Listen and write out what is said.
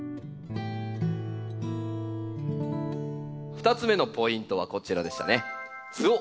２つ目のポイントはこちらでしたね。